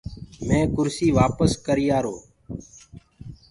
مينٚ ڪُرسي وآپس ڪريآرو۔